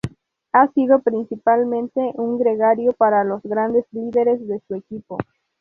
Ha sido principalmente un gregario para los grandes líderes de su equipo.